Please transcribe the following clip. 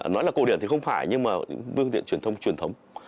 nói là cổ điển thì không phải nhưng mà phương tiện truyền thông truyền thống